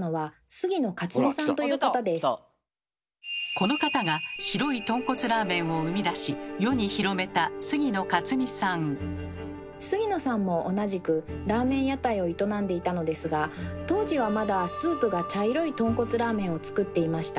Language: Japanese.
この方が白いとんこつラーメンを生み出し世に広めた杉野さんも同じくラーメン屋台を営んでいたのですが当時はまだスープが茶色いとんこつラーメンを作っていました。